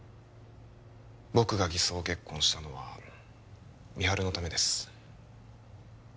僕が偽装結婚したのは美晴のためです